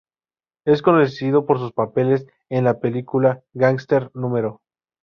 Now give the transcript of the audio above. Es conocido por sus papeles en las películas "Gangster No.